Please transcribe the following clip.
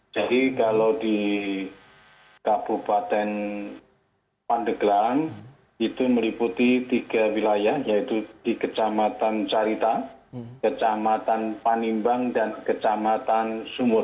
jadi kalau di kabupaten pandeglang itu meliputi tiga wilayah yaitu di kecamatan carita kecamatan panimbang dan kecamatan sumur